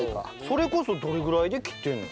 それこそどれぐらいで切ってるの？